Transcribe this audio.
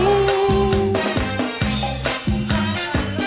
อุ่นมาอุ่นมา